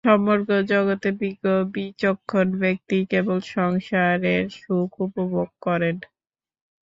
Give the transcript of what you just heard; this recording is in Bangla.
সমগ্র জগতে বিজ্ঞ বিচক্ষণ ব্যক্তিই কেবল সংসারের সুখ উপভোগ করেন।